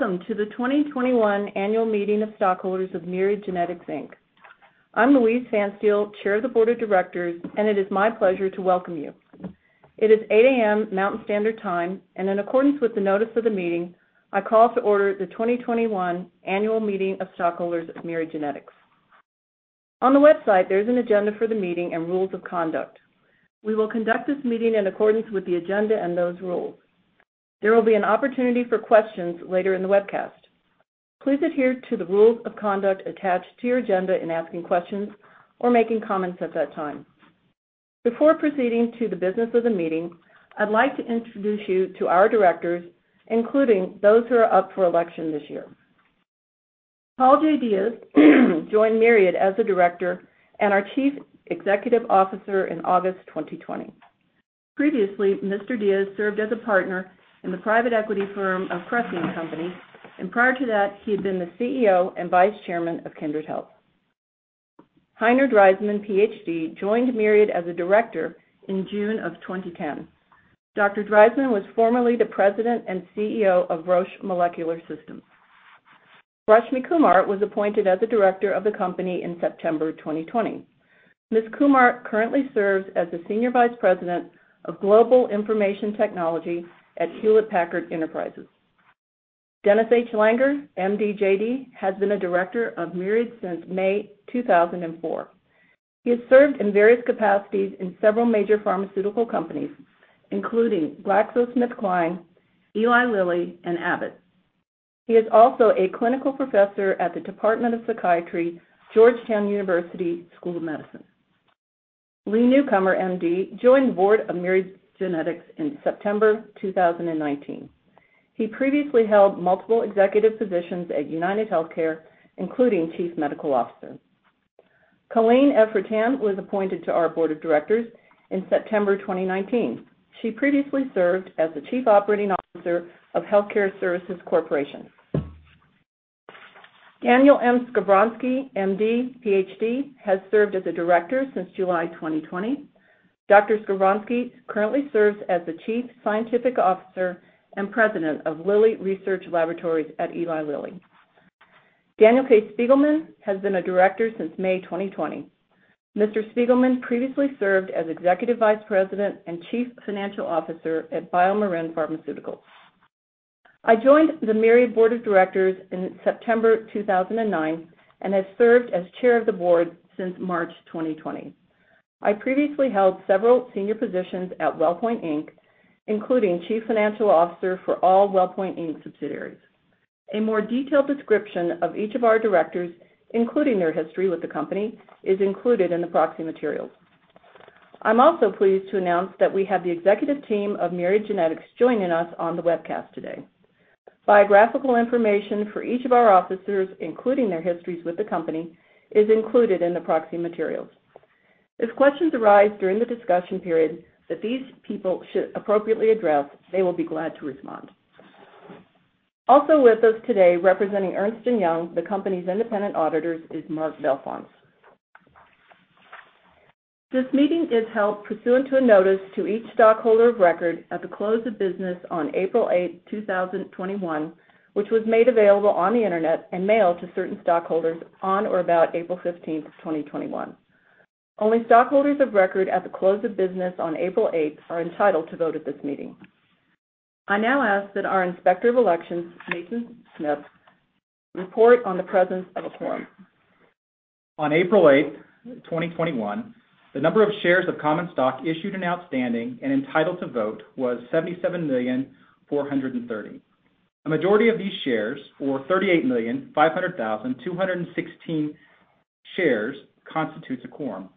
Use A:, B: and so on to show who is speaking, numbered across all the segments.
A: Welcome to the 2021 annual meeting of stockholders of Myriad Genetics, Inc. I'm Louise Phanstiel, Chair of the Board of Directors, and it is my pleasure to welcome you. It is 8:00 A.M. Mountain Standard Time, and in accordance with the notice of the meeting, I call to order the 2021 annual meeting of stockholders of Myriad Genetics. On the website, there's an agenda for the meeting and rules of conduct. We will conduct this meeting in accordance with the agenda and those rules. There will be an opportunity for questions later in the webcast. Please adhere to the rules of conduct attached to your agenda in asking questions or making comments at that time. Before proceeding to the business of the meeting, I'd like to introduce you to our directors, including those who are up for election this year. Paul J. Diaz. Diaz joined Myriad as a Director and our Chief Executive Officer in August 2020. Previously, Mr. Diaz served as a partner in the private equity firm of Cressey & Company, and prior to that, he had been the CEO and Vice Chairman of Kindred Healthcare. Heiner Dreismann, PhD, joined Myriad as a Director in June of 2010. Dr. Dreismann was formerly the President and CEO of Roche Molecular Systems. Rashmi Kumar was appointed as a Director of the company in September 2020. Ms. Kumar currently serves as the Senior Vice President of Global Information Technology at Hewlett Packard Enterprise. Dennis H. Langer, M.D., J.D., has been a Director of Myriad since May 2004. He has served in various capacities in several major pharmaceutical companies, including GlaxoSmithKline, Eli Lilly, and Abbott. He is also a clinical professor at the Department of Psychiatry, Georgetown University School of Medicine. Lee N. Newcomer, MD, joined the board of Myriad Genetics in September 2019. He previously held multiple executive positions at UnitedHealthcare, including Chief Medical Officer. Colleen F. Reitan was appointed to our board of directors in September 2019. She previously served as the Chief Operating Officer of Health Care Service Corporation. Daniel M. Skovronsky, MD, PhD, has served as a director since July 2020. Dr. Skovronsky currently serves as the Chief Scientific Officer and President of Lilly Research Laboratories at Eli Lilly. Daniel K. Spiegelman has been a director since May 2020. Mr. Spiegelman previously served as Executive Vice President and Chief Financial Officer at BioMarin Pharmaceutical. I joined the Myriad board of directors in September 2009 and have served as Chair of the Board since March 2020. I previously held several senior positions at WellPoint Inc., including Chief Financial Officer for all WellPoint Inc. subsidiaries. A more detailed description of each of our directors, including their history with the company, is included in the proxy materials. I'm also pleased to announce that we have the executive team of Myriad Genetics joining us on the webcast today. Biographical information for each of our officers, including their histories with the company, is included in the proxy materials. If questions arise during the discussion period that these people should appropriately address, they will be glad to respond. Also with us today representing Ernst & Young, the company's independent auditors, is Mark Belfance. This meeting is held pursuant to a notice to each stockholder of record at the close of business on April 8th, 2021, which was made available on the internet and mailed to certain stockholders on or about April 15th, 2021. Only stockholders of record at the close of business on April 8th are entitled to vote at this meeting. I now ask that our Inspector of Elections, Nathan Snipes, report on the presence of a quorum.
B: On April 8th, 2021, the number of shares of common stock issued and outstanding and entitled to vote was 77,000,430. A majority of these shares, or 38,500,216 shares, constitutes a quorum.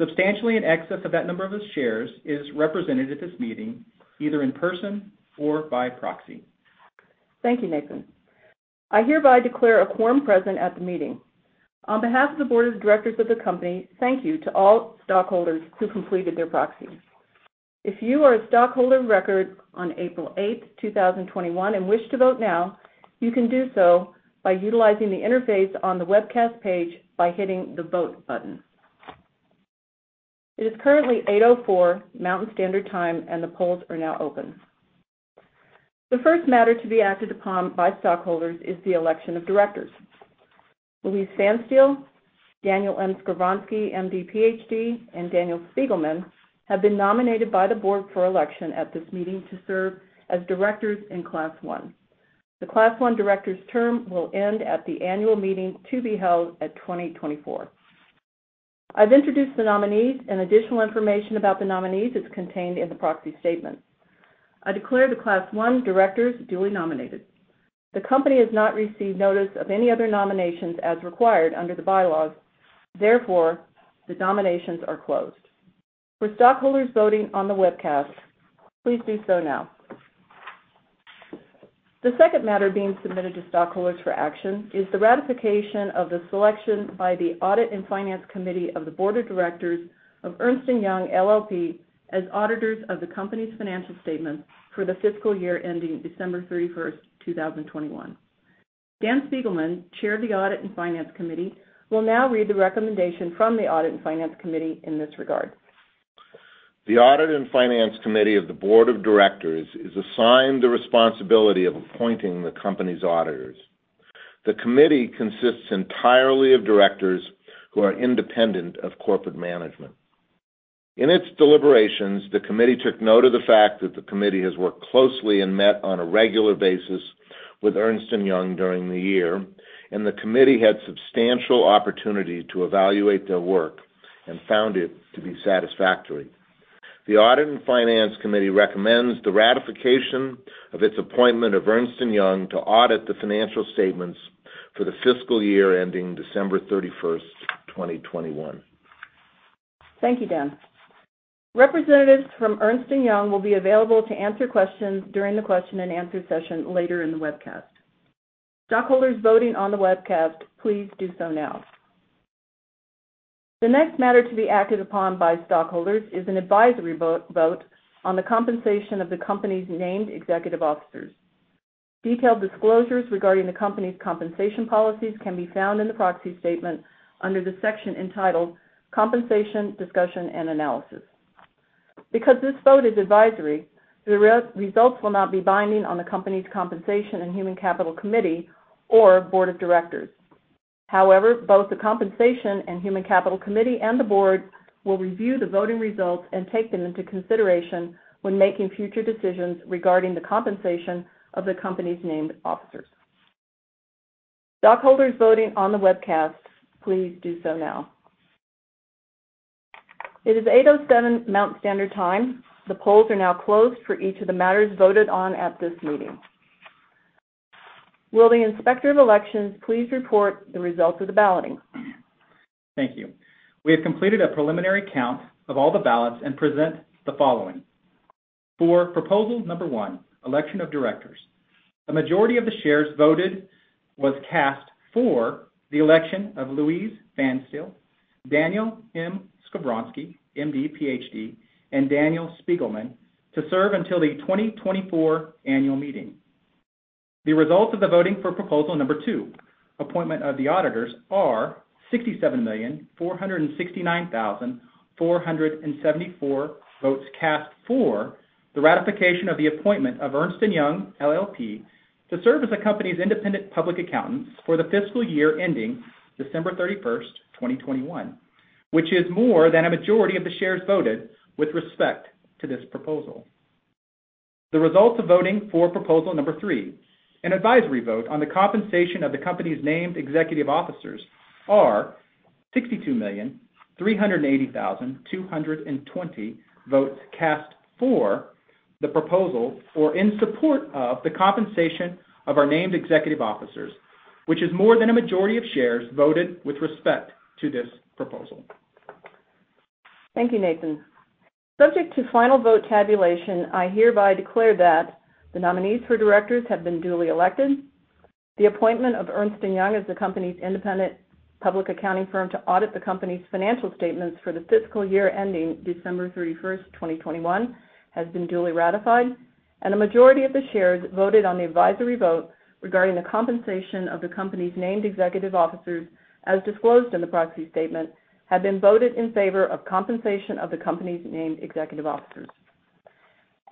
B: Substantially in excess of that number of shares is represented at this meeting, either in person or by proxy.
A: Thank you, Nathan. I hereby declare a quorum present at the meeting. On behalf of the board of directors of the company, thank you to all stockholders who completed their proxy. If you are a stockholder of record on April 8, 2021, and wish to vote now, you can do so by utilizing the interface on the webcast page by hitting the Vote button. It is currently 8:04 A.M. Mountain Standard Time, and the polls are now open. The first matter to be acted upon by stockholders is the election of directors. Louise Phanstiel, Daniel M. Skovronsky, M.D., Ph.D., and Daniel Spiegelman have been nominated by the board for election at this meeting to serve as directors in Class 1. The Class 1 director's term will end at the annual meeting to be held at 2024. I've introduced the nominees, and additional information about the nominees is contained in the proxy statement. I declare the Class 1 directors duly nominated. The company has not received notice of any other nominations as required under the bylaws. Therefore, the nominations are closed. For stockholders voting on the webcast, please do so now. The second matter being submitted to stockholders for action is the ratification of the selection by the Audit and Finance Committee of the board of directors of Ernst & Young LLP as auditors of the company's financial statements for the fiscal year ending December 31st, 2021. Dan Spiegelman, Chair of the Audit and Finance Committee, will now read the recommendation from the Audit and Finance Committee in this regard.
C: The Audit and Finance Committee of the Board of Directors is assigned the responsibility of appointing the company's auditors. The committee consists entirely of directors who are independent of corporate management. In its deliberations, the committee took note of the fact that the committee has worked closely and met on a regular basis with Ernst & Young during the year, and the committee had substantial opportunity to evaluate their work and found it to be satisfactory. The Audit and Finance Committee recommends the ratification of its appointment of Ernst & Young to audit the financial statements for the fiscal year ending December 31st, 2021.
A: Thank you, Dan. Representatives from Ernst & Young will be available to answer questions during the question-and-answer session later in the webcast. Stockholders voting on the webcast, please do so now. The next matter to be acted upon by stockholders is an advisory vote on the compensation of the company's named executive officers. Detailed disclosures regarding the company's compensation policies can be found in the proxy statement under the section entitled Compensation Discussion and Analysis. Because this vote is advisory, the results will not be binding on the company's Compensation and Human Capital Committee or Board of Directors. However, both the Compensation and Human Capital Committee and the Board will review the voting results and take them into consideration when making future decisions regarding the compensation of the company's named officers. Stockholders voting on the webcast, please do so now. It is 8:07 Mountain Standard Time. The polls are now closed for each of the matters voted on at this meeting. Will the Inspector of Elections please report the results of the balloting?
B: Thank you. We have completed a preliminary count of all the ballots and present the following. For proposal number one, election of directors, a majority of the shares voted was cast for the election of S. Louise Phanstiel, Daniel M. Skovronsky, MD, PhD, and Daniel Spiegelman to serve until the 2024 annual meeting. The results of the voting for proposal number two, appointment of the auditors, are 67,469,474 votes cast for the ratification of the appointment of Ernst & Young LLP to serve as the company's independent public accountants for the fiscal year ending December 31st, 2021, which is more than a majority of the shares voted with respect to this proposal. The results of voting for proposal number three, an advisory vote on the compensation of the company's named executive officers, are 62,380,220 votes cast for the proposal or in support of the compensation of our named executive officers, which is more than a majority of shares voted with respect to this proposal.
A: Thank you, Nathan. Subject to final vote tabulation, I hereby declare that the nominees for directors have been duly elected, the appointment of Ernst & Young as the company's independent public accounting firm to audit the company's financial statements for the fiscal year ending December 31st, 2021, has been duly ratified, and a majority of the shares voted on the advisory vote regarding the compensation of the company's named executive officers, as disclosed in the proxy statement, have been voted in favor of compensation of the company's named executive officers.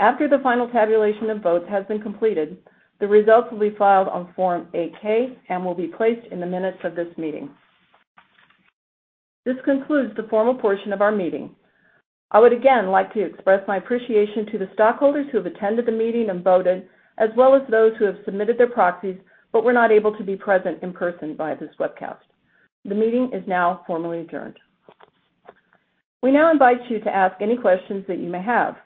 A: After the final tabulation of votes has been completed, the results will be filed on Form 8-K and will be placed in the minutes of this meeting. This concludes the formal portion of our meeting. I would again like to express my appreciation to the stockholders who have attended the meeting and voted, as well as those who have submitted their proxies but were not able to be present in person via this webcast. The meeting is now formally adjourned. We now invite you to ask any questions that you may have.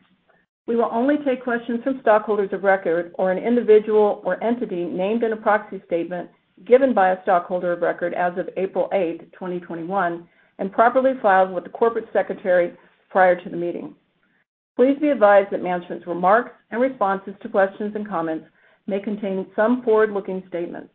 A: We will only take questions from stockholders of record or an individual or entity named in a proxy statement given by a stockholder of record as of April 8th, 2021, and properly filed with the corporate secretary prior to the meeting. Please be advised that management's remarks and responses to questions and comments may contain some forward-looking statements.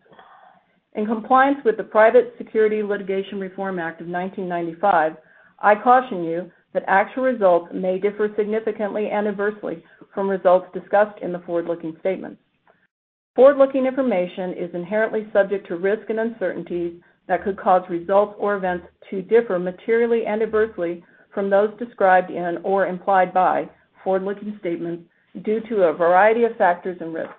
A: In compliance with the Private Securities Litigation Reform Act of 1995, I caution you that actual results may differ significantly and adversely from results discussed in the forward-looking statements. Forward-looking information is inherently subject to risks and uncertainties that could cause results or events to differ materially and adversely from those described and/or implied by forward-looking statements due to a variety of factors and risks.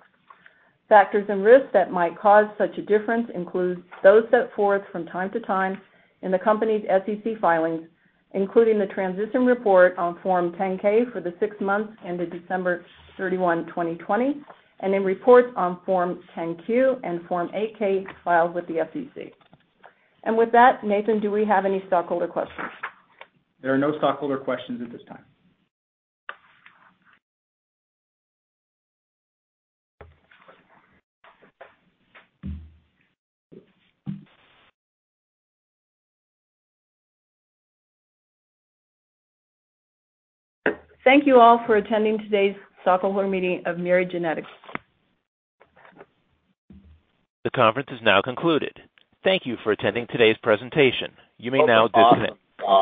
A: Factors and risks that might cause such a difference include those set forth from time to time in the company's SEC filings, including the transition report on Form 10-K for the six months ended December 31, 2020, and in reports on Form 10-Q and Form 8-K filed with the SEC. With that, Nathan, do we have any stockholder questions?
B: There are no stockholder questions at this time.
A: Thank you all for attending today's stockholder meeting of Myriad Genetics.
D: The conference is now concluded. Thank you for attending today's presentation. You may now disconnect.